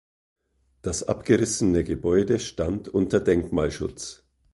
Das abgerissene Gebäude stand unter Denkmalschutz.